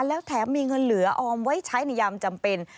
แล้วแถมมีเงินเหลือออมไว้ใช้ในยามจำเป็น